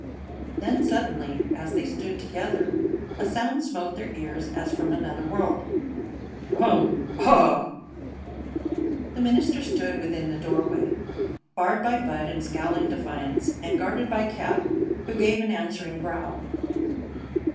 Then, suddenly, as they stood together, a sound smote their ears as from another world. "Um! Ah! " The minister stood within the doorway, barred by Bud in scowling defiance, and guarded by Cap, who gave an answering growl.